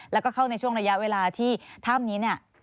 แล้วก็เข้าในช่วงระยะเวลาที่ถ้ำนี้เนี่ย